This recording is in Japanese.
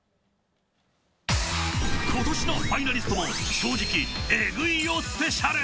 「今年のファイナリストは正直エグいよＳＰ」。